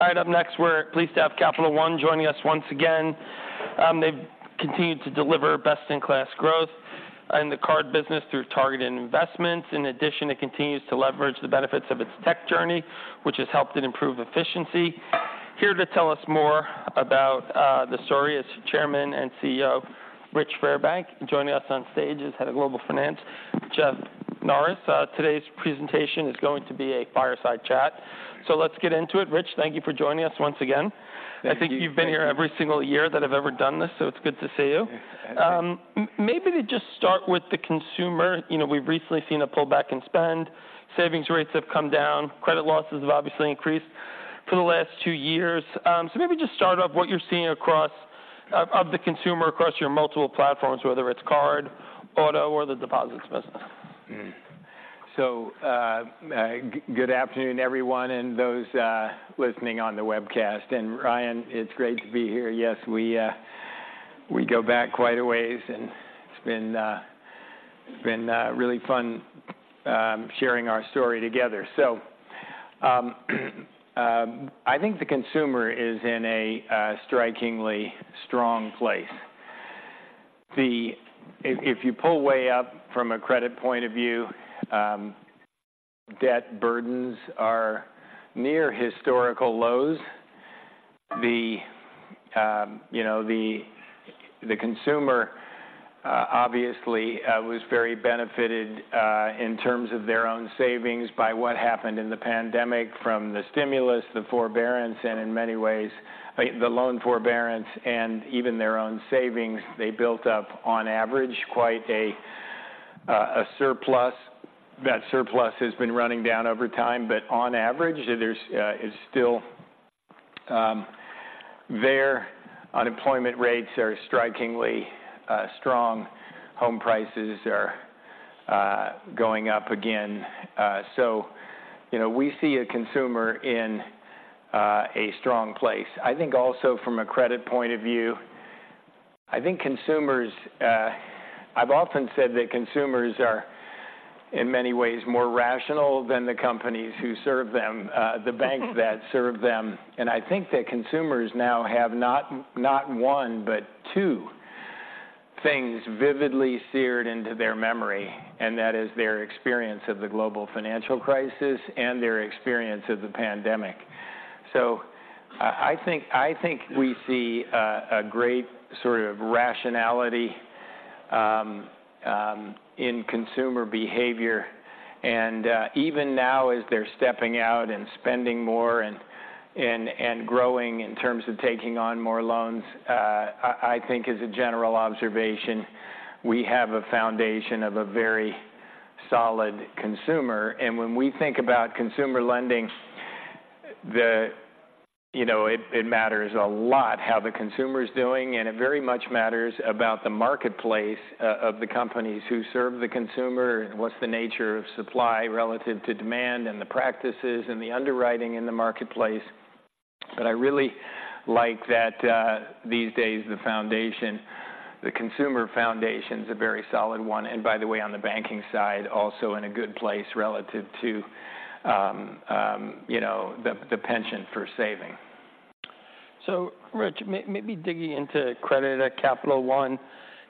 All right, up next, we're pleased to have Capital One joining us once again. They've continued to deliver best-in-class growth in the card business through targeted investments. In addition, it continues to leverage the benefits of its tech journey, which has helped it improve efficiency. Here to tell us more about the story is Chairman and CEO Rich Fairbank. Joining us on stage is Head of Global Finance Jeff Norris. Today's presentation is going to be a fireside chat. So let's get into it. Rich, thank you for joining us once again. Thank you. I think you've been here every single year that I've ever done this, so it's good to see you. Thank you. Maybe to just start with the consumer, you know, we've recently seen a pullback in spend. Savings rates have come down. Credit losses have obviously increased for the last two years. So maybe just start off what you're seeing across of the consumer across your multiple platforms, whether it's card, auto, or the deposits business. So, good afternoon, everyone, and those listening on the webcast. And Ryan, it's great to be here. Yes, we go back quite a ways, and it's been really fun sharing our story together. So, I think the consumer is in a strikingly strong place. If you pull way up from a credit point of view, debt burdens are near historical lows. You know, the consumer obviously was very benefited in terms of their own savings by what happened in the pandemic from the stimulus, the forbearance, and in many ways, the loan forbearance and even their own savings. They built up, on average, quite a surplus. That surplus has been running down over time, but on average, there's it's still there. Unemployment rates are strikingly strong. Home prices are going up again. So, you know, we see a consumer in a strong place. I think also from a credit point of view, I think consumers... I've often said that consumers are, in many ways, more rational than the companies who serve them, the banks that serve them. And I think that consumers now have not one, but two things vividly seared into their memory, and that is their experience of the global financial crisis and their experience of the pandemic. So I think we see a great sort of rationality in consumer behavior. And even now, as they're stepping out and spending more and growing in terms of taking on more loans, I think as a general observation, we have a foundation of a very solid consumer. And when we think about consumer lending, you know, it matters a lot how the consumer is doing, and it very much matters about the marketplace of the companies who serve the consumer, and what's the nature of supply relative to demand, and the practices and the underwriting in the marketplace. But I really like that, these days, the foundation, the consumer foundation, is a very solid one. And by the way, on the banking side, also in a good place relative to, you know, the pension for saving. So Rich, maybe digging into credit at Capital One,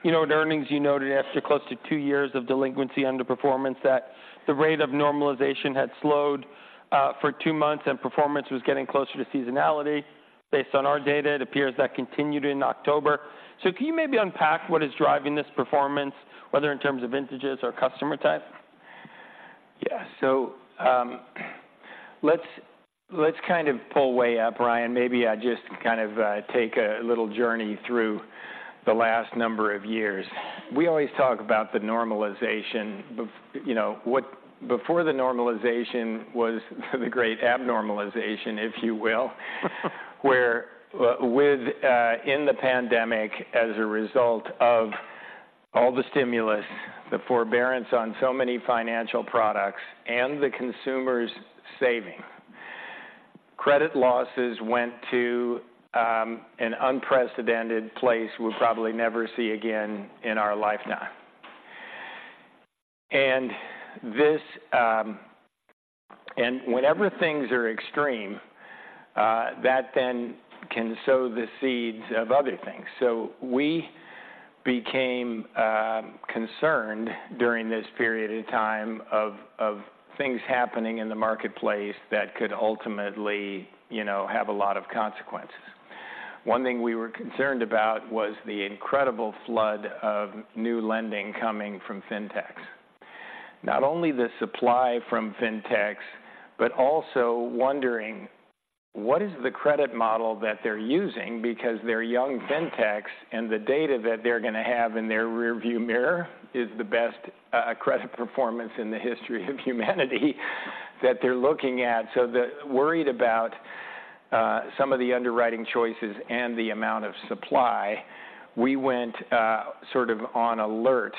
you know, in earnings, you noted after close to two years of delinquency underperformance, that the rate of normalization had slowed, for two months, and performance was getting closer to seasonality. Based on our data, it appears that continued in October. So can you maybe unpack what is driving this performance, whether in terms of vintages or customer type? Yeah. So, let's kind of pull way up, Ryan. Maybe I just kind of take a little journey through the last number of years. We always talk about the normalization. Before the normalization was the great abnormalization, if you will. Where with, in the pandemic, as a result of all the stimulus, the forbearance on so many financial products, and the consumers saving, credit losses went to, an unprecedented place we'll probably never see again in our lifetime. And this. And whenever things are extreme, that then can sow the seeds of other things. So we became concerned during this period in time of things happening in the marketplace that could ultimately, you know, have a lot of consequences. One thing we were concerned about was the incredible flood of new lending coming from fintechs. Not only the supply from fintechs, but also wondering: What is the credit model that they're using? Because they're young fintechs, and the data that they're gonna have in their rearview mirror is the best credit performance in the history of humanity that they're looking at. So they're worried about some of the underwriting choices and the amount of supply. We went sort of on alert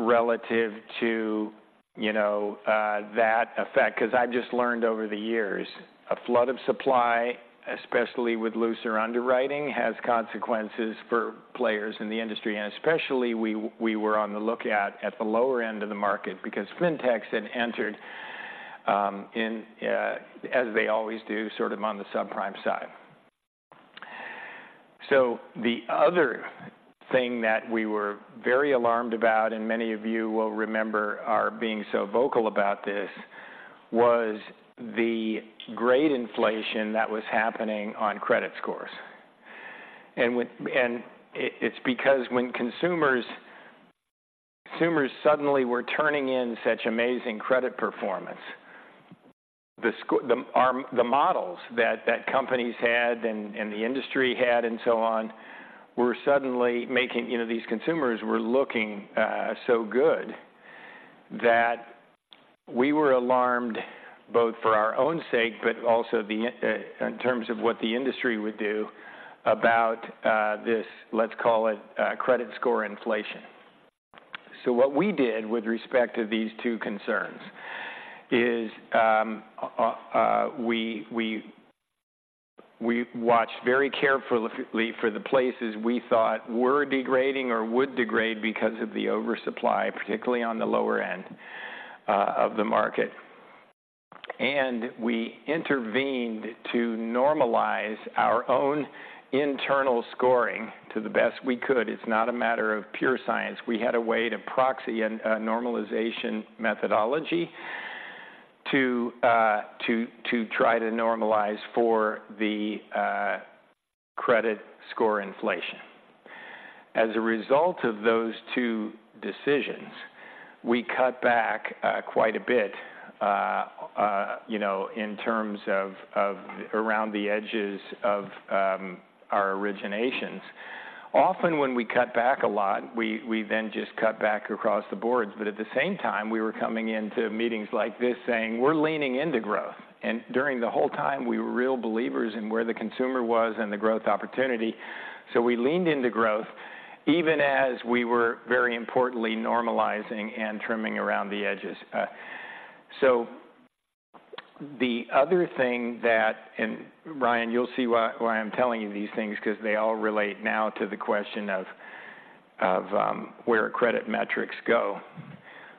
relative to, you know, that effect, 'cause I just learned over the years, a flood of supply, especially with looser underwriting, has consequences for players in the industry. And especially, we, we were on the lookout at the lower end of the market because fintechs had entered in, as they always do, sort of on the subprime side. So the other thing that we were very alarmed about, and many of you will remember our being so vocal about this, was the grade inflation that was happening on credit scores. And when it, it's because when consumers suddenly were turning in such amazing credit performance, the scores, the models that companies had and the industry had and so on, were suddenly making, you know, these consumers were looking so good that we were alarmed, both for our own sake, but also in terms of what the industry would do about this, let's call it credit score inflation. So what we did with respect to these two concerns is, we watched very carefully for the places we thought were degrading or would degrade because of the oversupply, particularly on the lower end of the market. And we intervened to normalize our own internal scoring to the best we could. It's not a matter of pure science. We had a way to proxy and normalization methodology to try to normalize for the credit score inflation. As a result of those two decisions, we cut back quite a bit, you know, in terms of around the edges of our originations. Often, when we cut back a lot, we then just cut back across the boards, but at the same time, we were coming into meetings like this saying: "We're leaning into growth." And during the whole time, we were real believers in where the consumer was and the growth opportunity. So we leaned into growth, even as we were very importantly normalizing and trimming around the edges. So the other thing, and Ryan, you'll see why I'm telling you these things, 'cause they all relate now to the question of where credit metrics go.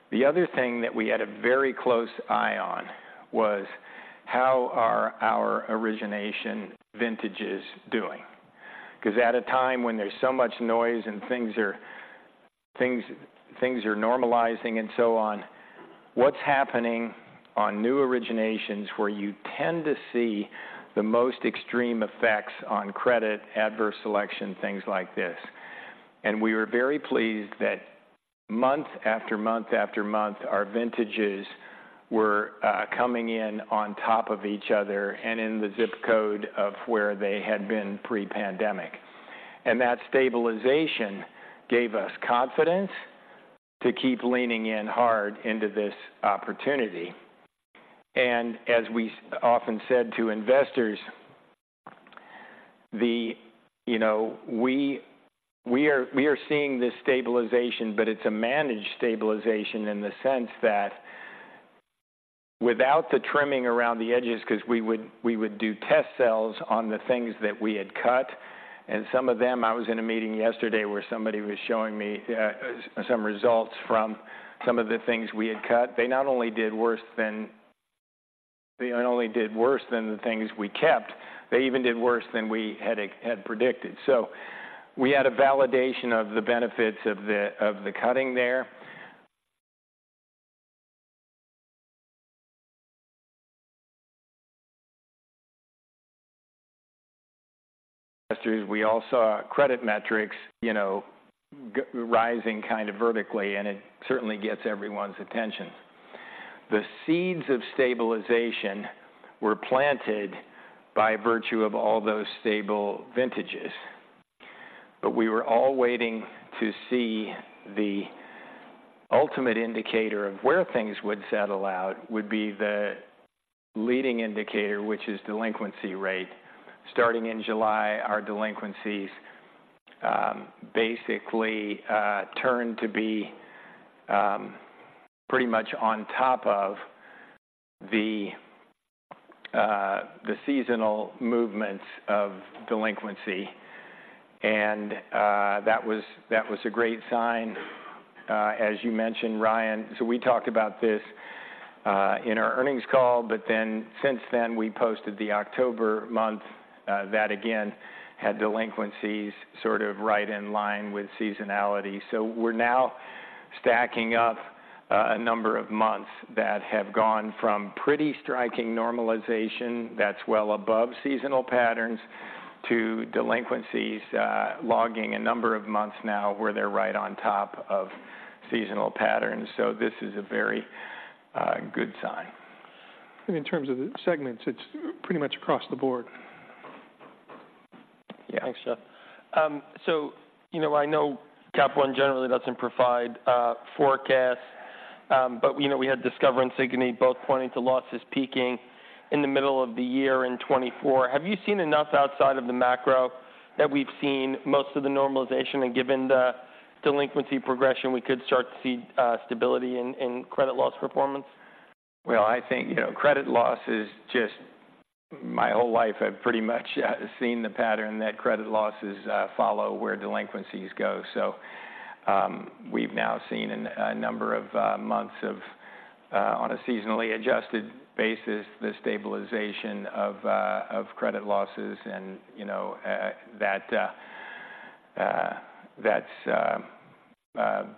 The other thing that we had a very close eye on was: How are our origination vintages doing? 'Cause at a time when there's so much noise and things are normalizing and so on, what's happening on new originations, where you tend to see the most extreme effects on credit, adverse selection, things like this. We were very pleased that month after month after month, our vintages were coming in on top of each other and in the zip code of where they had been pre-pandemic. That stabilization gave us confidence to keep leaning in hard into this opportunity. As we often said to investors, you know, we are seeing this stabilization, but it's a managed stabilization in the sense that without the trimming around the edges, 'cause we would do test sells on the things that we had cut. And some of them, I was in a meeting yesterday, where somebody was showing me some results from some of the things we had cut. They not only did worse than, they not only did worse than the things we kept, they even did worse than we had had predicted. So we had a validation of the benefits of the, of the cutting there. We all saw credit metrics, you know, rising kind of vertically, and it certainly gets everyone's attention. The seeds of stabilization were planted by virtue of all those stable vintages. But we were all waiting to see the ultimate indicator of where things would settle out, would be the leading indicator, which is delinquency rate. Starting in July, our delinquencies, basically, turned to be pretty much on top of the seasonal movements of delinquency, and that was, that was a great sign. As you mentioned, Ryan, so we talked about this in our earnings call, but then since then, we posted the October month that again had delinquencies sort of right in line with seasonality. So we're now stacking up a number of months that have gone from pretty striking normalization that's well above seasonal patterns to delinquencies logging a number of months now where they're right on top of seasonal patterns. So this is a very good sign. And in terms of the segments, it's pretty much across the board. Yeah, thanks, Jeff. So you know, I know Capital One generally doesn't provide forecasts, but, you know, we had Discover and Synchrony both pointing to losses peaking in the middle of the year in 2024. Have you seen enough outside of the macro that we've seen most of the normalization, and given the delinquency progression, we could start to see stability in credit loss performance? Well, I think, you know, credit loss is just my whole life. I've pretty much seen the pattern that credit losses follow where delinquencies go. So, we've now seen in a number of months, on a seasonally adjusted basis, the stabilization of credit losses. And, you know, that's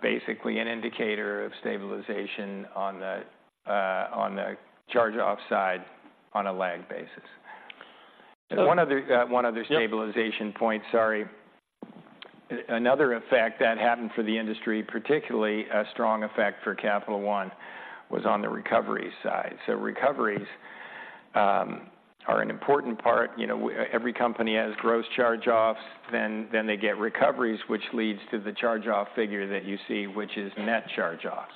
basically an indicator of stabilization on the charge-off side on a lag basis. So- One other- Yep stabilization point. Sorry. Another effect that happened for the industry, particularly a strong effect for Capital One, was on the recovery side. So recoveries are an important part. You know, every company has gross charge-offs, then they get recoveries, which leads to the charge-off figure that you see, which is net charge-offs.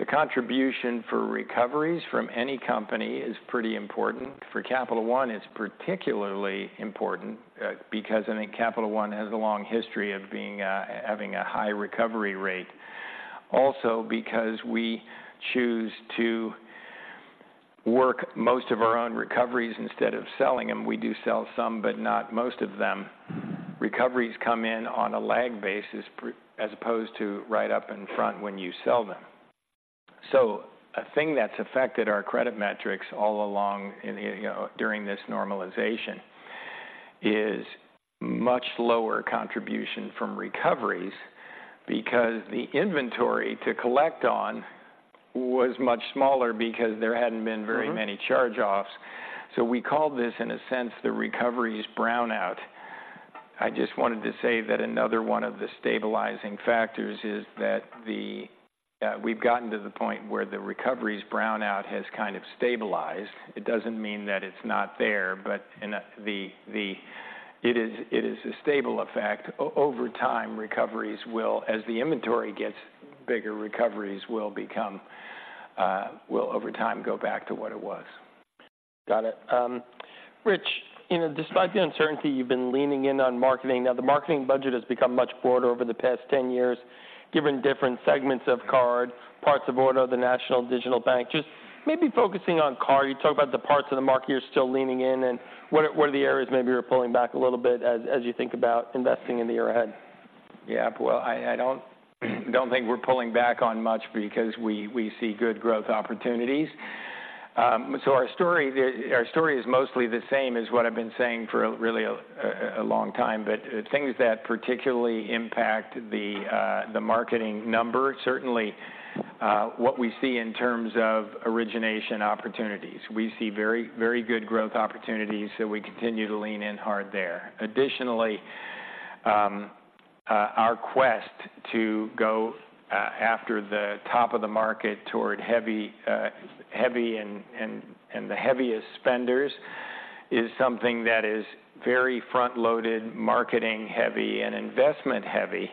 The contribution for recoveries from any company is pretty important. For Capital One, it's particularly important, because I think Capital One has a long history of being having a high recovery rate. Also, because we choose to work most of our own recoveries instead of selling them. We do sell some, but not most of them. Recoveries come in on a lag basis as opposed to right up in front when you sell them. So a thing that's affected our credit metrics all along in, you know, during this normalization is much lower contribution from recoveries, because the inventory to collect on was much smaller because there hadn't been- Mm-hmm very many charge-offs. So we called this, in a sense, the recoveries brownout. I just wanted to say that another one of the stabilizing factors is that we've gotten to the point where the recoveries brownout has kind of stabilized. It doesn't mean that it's not there, but it is, it is a stable effect. Over time, recoveries will, as the inventory gets bigger, recoveries will become, will over time, go back to what it was. Got it. Rich, you know, despite the uncertainty, you've been leaning in on marketing. Now, the marketing budget has become much broader over the past 10 years, given different segments of card, parts of our, the national digital bank. Just maybe focusing on card, you talk about the parts of the market you're still leaning in, and what are, what are the areas maybe you're pulling back a little bit as, as you think about investing in the year ahead? Yeah. Well, I don't think we're pulling back on much because we see good growth opportunities. So our story is mostly the same as what I've been saying for a really long time. But the things that particularly impact the marketing number, certainly what we see in terms of origination opportunities. We see very, very good growth opportunities, so we continue to lean in hard there. Additionally, our quest to go after the top of the market toward heavy heavy and the heaviest spenders is something that is very front-loaded, marketing-heavy, and investment-heavy.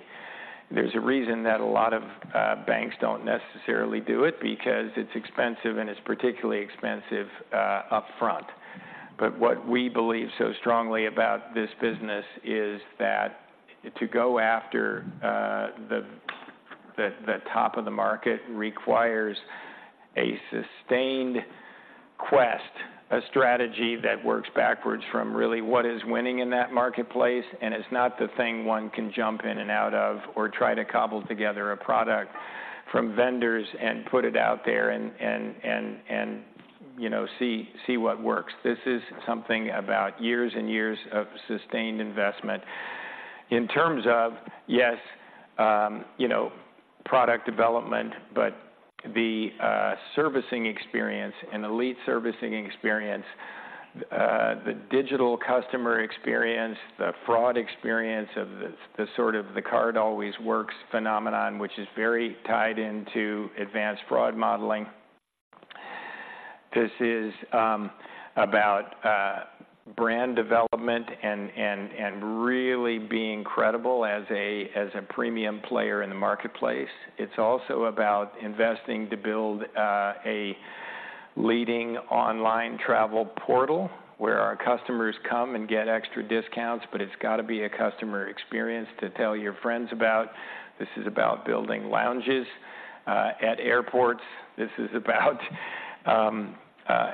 There's a reason that a lot of banks don't necessarily do it, because it's expensive, and it's particularly expensive upfront. But what we believe so strongly about this business is that to go after the top of the market requires a sustained quest, a strategy that works backwards from really what is winning in that marketplace. It's not the thing one can jump in and out of, or try to cobble together a product from vendors and put it out there and, you know, see what works. This is something about years and years of sustained investment. In terms of, yes, you know, product development, but the servicing experience and elite servicing experience, the digital customer experience, the fraud experience of the sort of the card always works phenomenon, which is very tied into advanced fraud modeling. This is about brand development and really being credible as a premium player in the marketplace. It's also about investing to build a leading online travel portal, where our customers come and get extra discounts, but it's got to be a customer experience to tell your friends about. This is about building lounges at airports. This is about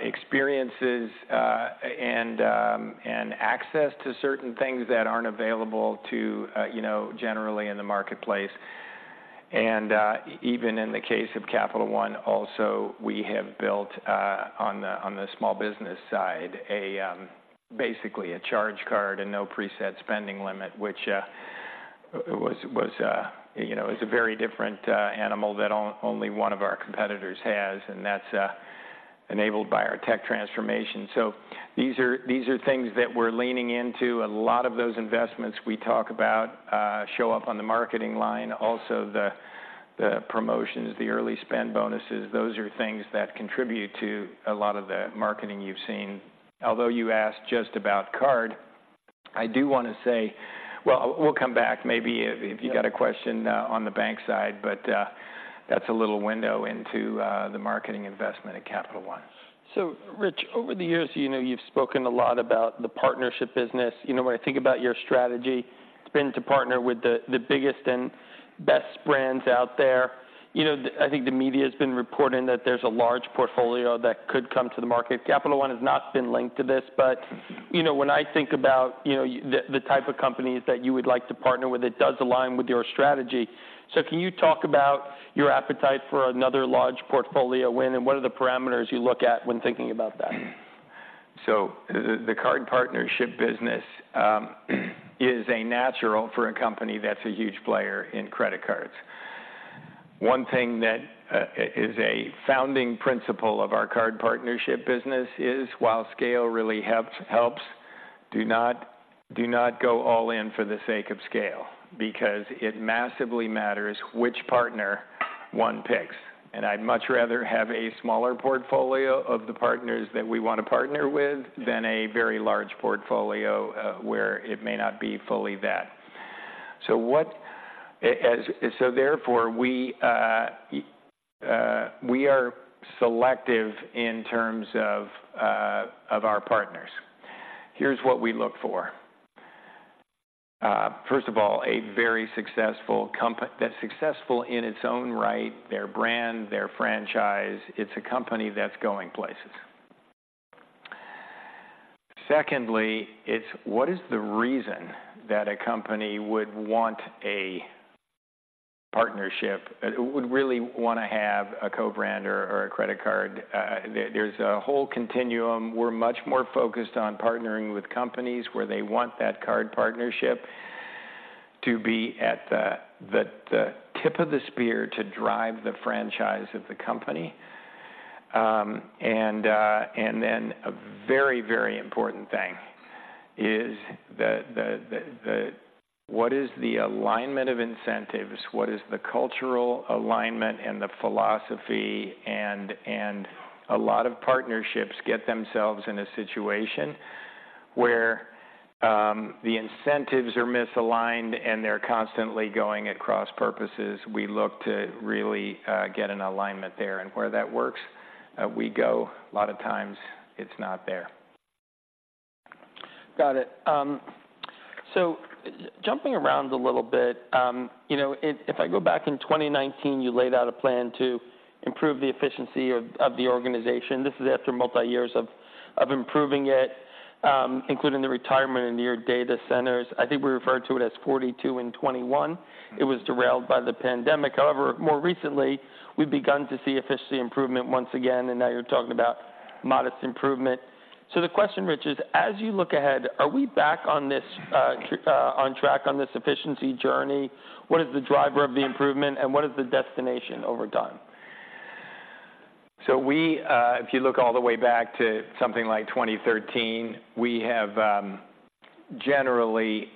experiences and access to certain things that aren't available to you know, generally in the marketplace. And even in the case of Capital One, also, we have built on the small business side basically a charge card and no preset spending limit, which you know, is a very different animal that only one of our competitors has, and that's enabled by our tech transformation. So these are, these are things that we're leaning into. A lot of those investments we talk about show up on the marketing line, also the promotions, the early spend bonuses. Those are things that contribute to a lot of the marketing you've seen. Although you asked just about card, I do want to say. Well, we'll come back maybe- Yep if you got a question on the bank side, but that's a little window into the marketing investment at Capital One. So, Rich, over the years, you know, you've spoken a lot about the partnership business. You know, when I think about your strategy, it's been to partner with the, the biggest and best brands out there... you know, I think the media has been reporting that there's a large portfolio that could come to the market. Capital One has not been linked to this, but, you know, when I think about, you know, the, the type of companies that you would like to partner with, it does align with your strategy. So can you talk about your appetite for another large portfolio win, and what are the parameters you look at when thinking about that? So the card partnership business is a natural for a company that's a huge player in credit cards. One thing that is a founding principle of our card partnership business is, while scale really helps, do not go all in for the sake of scale, because it massively matters which partner one picks. I'd much rather have a smaller portfolio of the partners that we want to partner with than a very large portfolio where it may not be fully that. So therefore, we are selective in terms of our partners. Here's what we look for. First of all, a very successful company that's successful in its own right, their brand, their franchise. It's a company that's going places. Secondly, it's what is the reason that a company would want a partnership? Would really want to have a co-brander or a credit card? There's a whole continuum. We're much more focused on partnering with companies where they want that card partnership to be at the tip of the spear to drive the franchise of the company. And then a very, very important thing is the alignment of incentives? What is the cultural alignment and the philosophy? A lot of partnerships get themselves in a situation where the incentives are misaligned, and they're constantly going at cross purposes. We look to really get an alignment there, and where that works, we go. A lot of times it's not there. Got it. So jumping around a little bit, you know, if I go back in 2019, you laid out a plan to improve the efficiency of the organization. This is after multiple years of improving it, including the retirement of your data centers. I think we referred to it as 42 and 21. It was derailed by the pandemic. However, more recently, we've begun to see efficiency improvement once again, and now you're talking about modest improvement. So the question, Rich, is: As you look ahead, are we back on this on track on this efficiency journey? What is the driver of the improvement, and what is the destination over time? So we, if you look all the way back to something like 2013, we have, generally,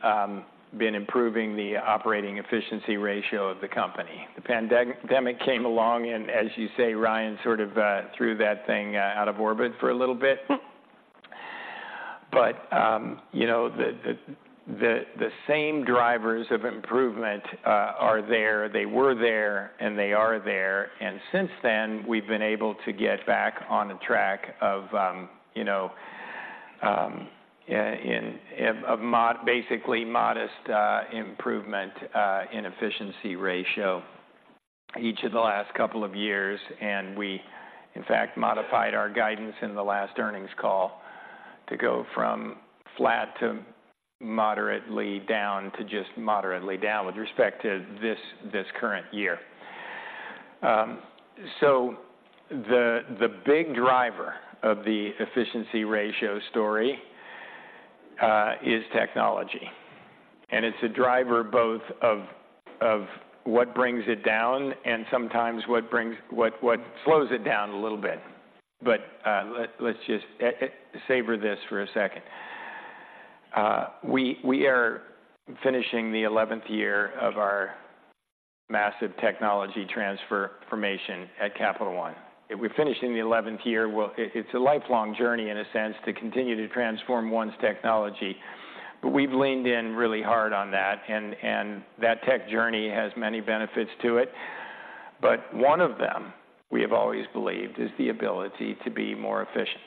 been improving the operating efficiency ratio of the company. The pandemic came along and, as you say, Ryan, sort of, threw that thing out of orbit for a little bit. But, you know, the same drivers of improvement are there. They were there, and they are there. And since then, we've been able to get back on the track of, you know, basically modest improvement in efficiency ratio each of the last couple of years. And we, in fact, modified our guidance in the last earnings call to go from flat to moderately down, to just moderately down with respect to this current year. So the big driver of the efficiency ratio story is technology, and it's a driver both of what brings it down and sometimes what slows it down a little bit. But let's just savor this for a second. We are finishing the eleventh year of our massive technology transformation at Capital One. We're finishing the eleventh year. Well, it's a lifelong journey in a sense, to continue to transform one's technology, but we've leaned in really hard on that, and that tech journey has many benefits to it. But one of them, we have always believed, is the ability to be more efficient.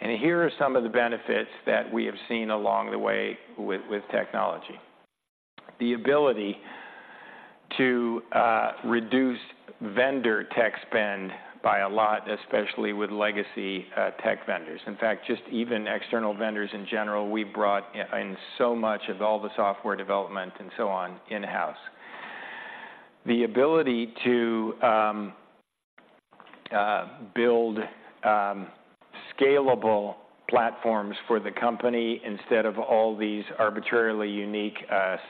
And here are some of the benefits that we have seen along the way with technology. The ability to reduce vendor tech spend by a lot, especially with legacy tech vendors. In fact, just even external vendors in general, we've brought in so much of all the software development and so on in-house. The ability to build scalable platforms for the company instead of all these arbitrarily unique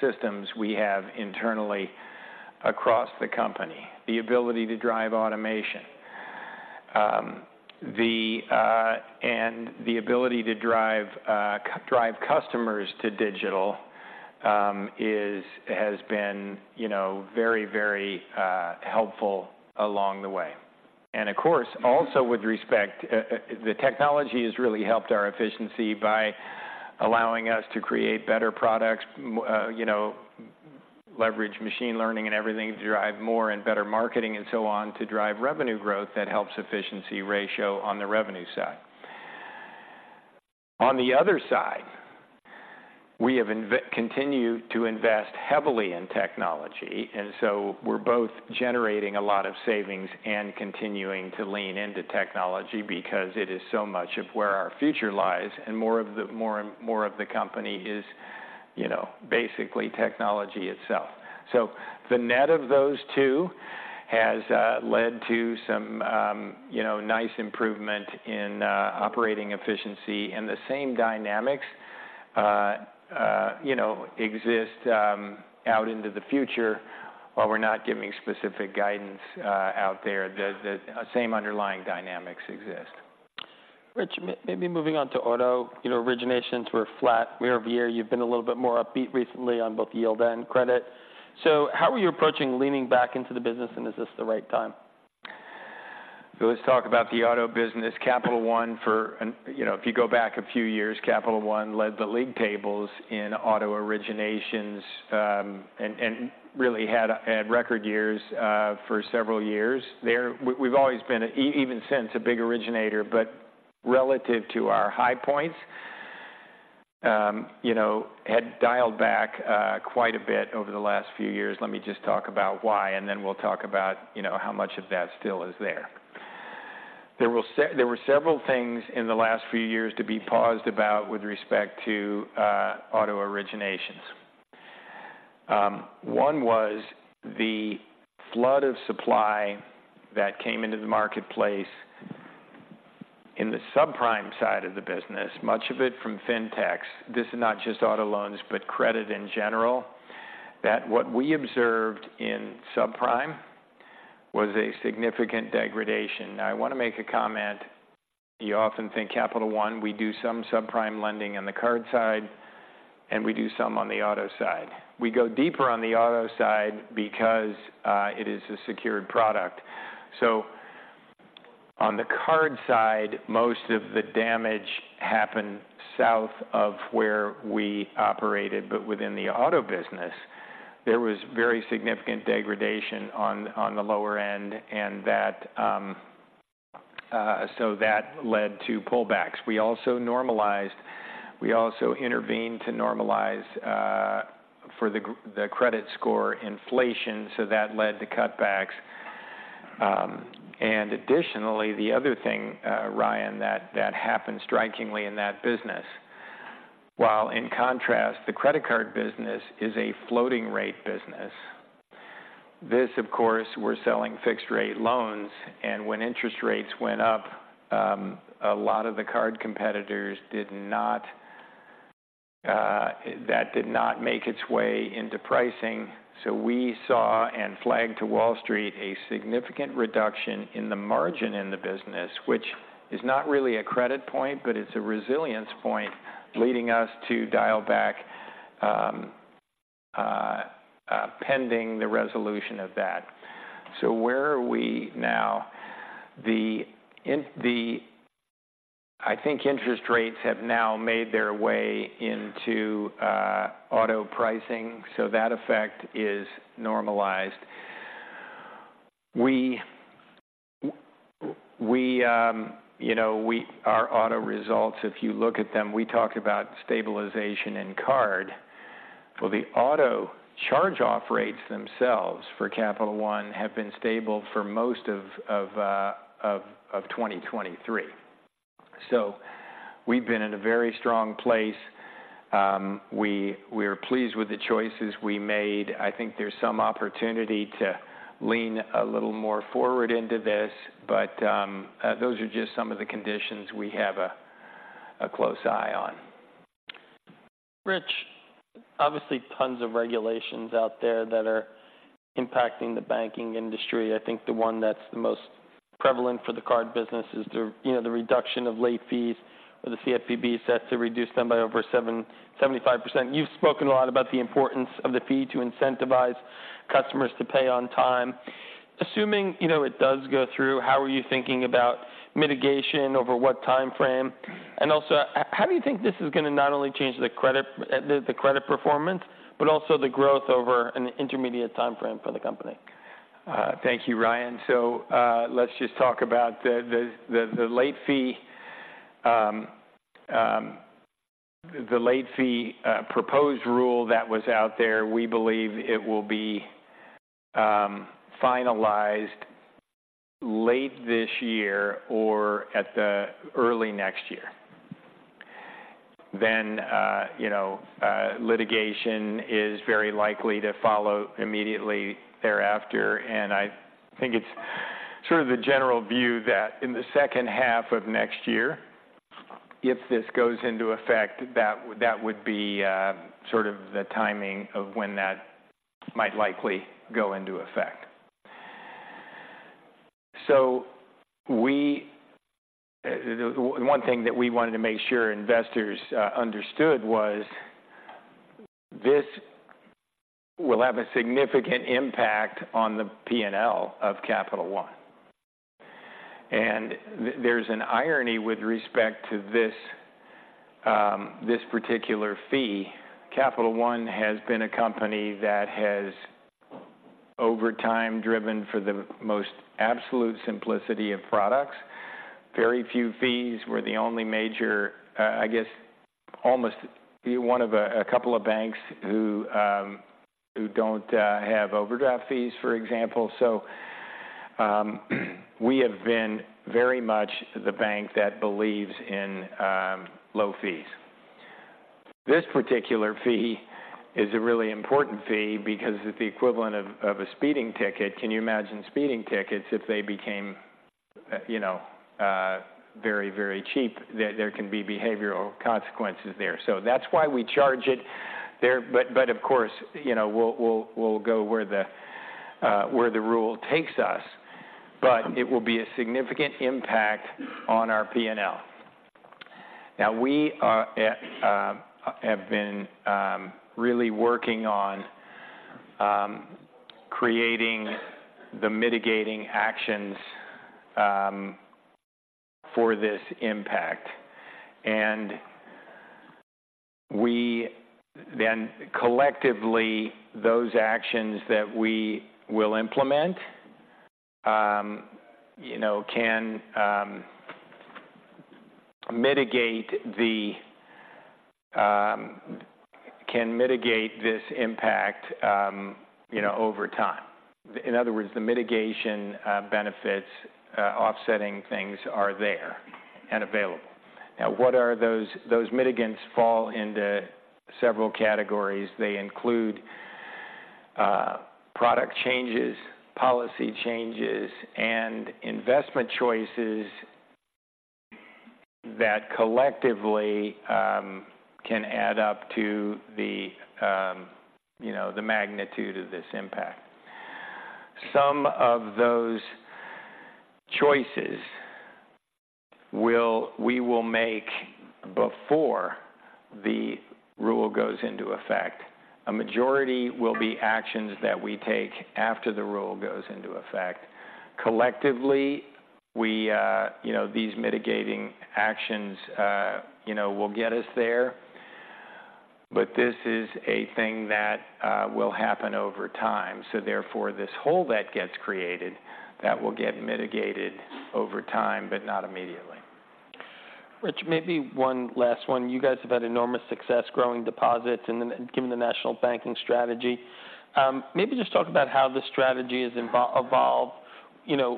systems we have internally across the company. The ability to drive automation. And the ability to drive customers to digital is - has been, you know, very, very helpful along the way. And of course, also with respect, the technology has really helped our efficiency by allowing us to create better products, you know, leverage machine learning and everything, drive more and better marketing and so on, to drive revenue growth that helps efficiency ratio on the revenue side. On the other side, we have continued to invest heavily in technology, and so we're both generating a lot of savings and continuing to lean into technology because it is so much of where our future lies, and more of the company is, you know, basically technology itself. So the net of those two has led to some, you know, nice improvement in operating efficiency. And the same dynamics, you know, exist out into the future. While we're not giving specific guidance out there, the same underlying dynamics exist. Rich, maybe moving on to auto. You know, originations were flat year-over-year. You've been a little bit more upbeat recently on both yield and credit. So how are you approaching leaning back into the business, and is this the right time? So let's talk about the auto business. Capital One, and you know, if you go back a few years, Capital One led the league tables in auto originations, and really had record years for several years. We've always been, even since, a big originator, but relative to our high points, you know, had dialed back quite a bit over the last few years. Let me just talk about why, and then we'll talk about, you know, how much of that still is there. There were several things in the last few years to be paused about with respect to auto originations. One was the flood of supply that came into the marketplace in the subprime side of the business, much of it from fintechs. This is not just auto loans, but credit in general, that what we observed in subprime was a significant degradation. Now, I want to make a comment. You often think Capital One, we do some subprime lending on the card side, and we do some on the auto side. We go deeper on the auto side because it is a secured product. So on the card side, most of the damage happened south of where we operated, but within the auto business there was very significant degradation on the lower end, and that so that led to pullbacks. We also intervened to normalize for the credit score inflation, so that led to cutbacks. And additionally, the other thing, Ryan, that happened strikingly in that business, while in contrast, the credit card business is a floating rate business. This, of course, we're selling fixed rate loans, and when interest rates went up, a lot of the card competitors did not, that did not make its way into pricing. So we saw and flagged to Wall Street a significant reduction in the margin in the business, which is not really a credit point, but it's a resilience point, leading us to dial back, pending the resolution of that. So where are we now? I think interest rates have now made their way into auto pricing, so that effect is normalized. We, you know, our auto results, if you look at them, we talked about stabilization in card. Well, the auto charge-off rates themselves for Capital One have been stable for most of 2023. So we've been in a very strong place. We're pleased with the choices we made. I think there's some opportunity to lean a little more forward into this, but those are just some of the conditions we have a close eye on. Rich, obviously, tons of regulations out there that are impacting the banking industry. I think the one that's the most prevalent for the card business is the, you know, the reduction of late fees, or the CFPB set to reduce them by over 75%. You've spoken a lot about the importance of the fee to incentivize customers to pay on time. Assuming, you know, it does go through, how are you thinking about mitigation, over what timeframe? And also, how do you think this is going to not only change the credit, the credit performance, but also the growth over an intermediate timeframe for the company? Thank you, Ryan. So, let's just talk about the late fee proposed rule that was out there. We believe it will be finalized late this year or at the early next year. Then, you know, litigation is very likely to follow immediately thereafter, and I think it's sort of the general view that in the second half of next year, if this goes into effect, that would be sort of the timing of when that might likely go into effect. So, the one thing that we wanted to make sure investors understood was this will have a significant impact on the P&L of Capital One. And there's an irony with respect to this particular fee. Capital One has been a company that has over time, driven for the most absolute simplicity of products. Very few fees were the only major. I guess, almost be one of a couple of banks who don't have overdraft fees, for example. So, we have been very much the bank that believes in low fees. This particular fee is a really important fee because it's the equivalent of a speeding ticket. Can you imagine speeding tickets if they became, you know, very, very cheap? There can be behavioral consequences there. So that's why we charge it there. But of course, you know, we'll go where the rule takes us, but it will be a significant impact on our P&L. Now, we have been really working on creating the mitigating actions for this impact. We then collectively, those actions that we will implement, you know, can mitigate this impact, you know, over time. In other words, the mitigation benefits, offsetting things are there and available. Now, what are those? Those mitigants fall into several categories. They include product changes, policy changes, and investment choices that collectively can add up to the, you know, the magnitude of this impact. Some of those choices we will make before the rule goes into effect. A majority will be actions that we take after the rule goes into effect. Collectively, you know, these mitigating actions, you know, will get us there. But this is a thing that will happen over time. Therefore, this hole that gets created, that will get mitigated over time, but not immediately. Rich, maybe one last one. You guys have had enormous success growing deposits and then given the national banking strategy. Maybe just talk about how the strategy has evolved, you know,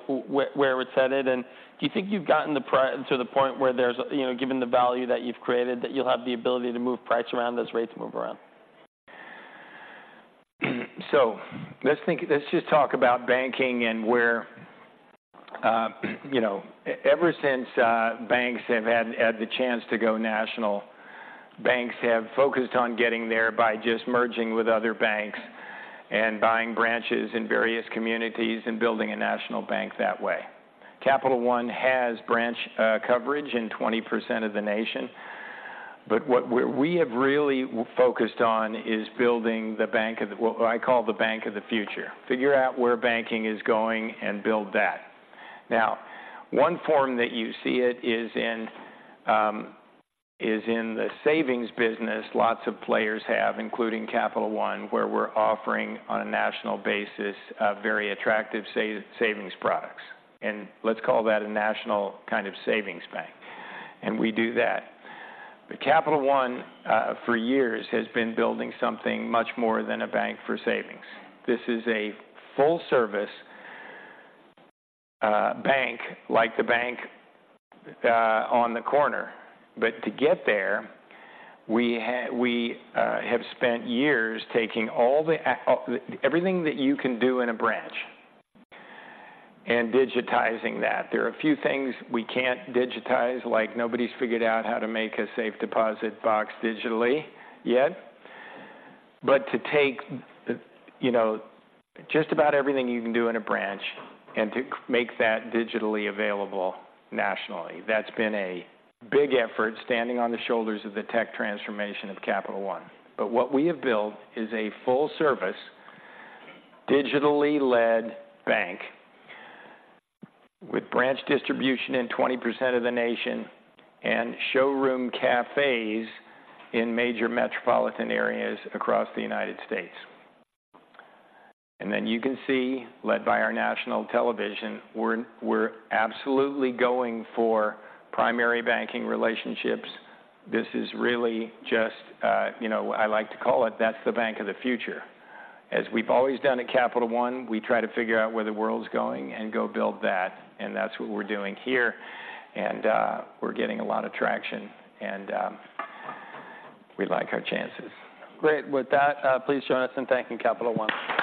where it's headed. And do you think you've gotten the pricing to the point where there's, you know, given the value that you've created, that you'll have the ability to move price around, those rates move around? So let's think. Let's just talk about banking and where, you know, ever since banks have had the chance to go national, banks have focused on getting there by just merging with other banks and buying branches in various communities and building a national bank that way. Capital One has branch coverage in 20% of the nation, but what we have really focused on is building the bank of the... What I call the bank of the future. Figure out where banking is going and build that. Now, one form that you see it is in is in the savings business. Lots of players have, including Capital One, where we're offering, on a national basis, very attractive savings products. And let's call that a national kind of savings bank, and we do that. But Capital One, for years, has been building something much more than a bank for savings. This is a full-service bank, like the bank on the corner. But to get there, we have spent years taking everything that you can do in a branch and digitizing that. There are a few things we can't digitize, like nobody's figured out how to make a safe deposit box digitally yet. But to take, you know, just about everything you can do in a branch and to make that digitally available nationally, that's been a big effort, standing on the shoulders of the tech transformation of Capital One. But what we have built is a full-service, digitally-led bank with branch distribution in 20% of the nation and showroom cafes in major metropolitan areas across the United States. And then you can see, led by our national television, we're absolutely going for primary banking relationships. This is really just, you know, I like to call it, "That's the bank of the future." As we've always done at Capital One, we try to figure out where the world's going and go build that, and that's what we're doing here, and we're getting a lot of traction, and we like our chances. Great! With that, please join us in thanking Capital One.